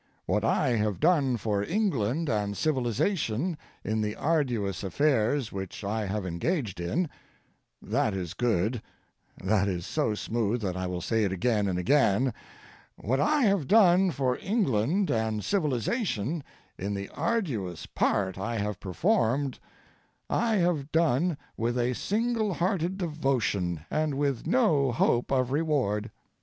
What I have done for England and civilization in the arduous affairs which I have engaged in (that is good: that is so smooth that I will say it again and again)—what I have done for England and civilization in the arduous part I have performed I have done with a single hearted devotion and with no hope of reward.